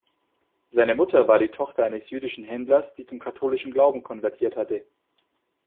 Seine Mutter war die Tochter eines jüdischen Händlers, die zum katholischen Glauben konvertiert hatte.